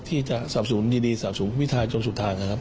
ที่จะสรรพสูจน์ดีสรรพสูจน์วิทายจนฉุดทาง